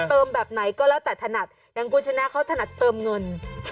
แต่เติมแบบไหนก็แล้วแต่ถนัดดังกว่าชนะเขาถนัดเติมเงิน